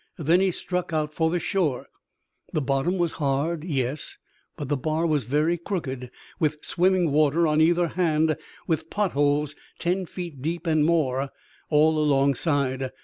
Then he struck out for the shore. The bottom was hard, yes; but the bar was very crooked, with swimming water on either hand, with potholes ten feet deep and more all alongside.